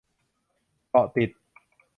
เกาะติด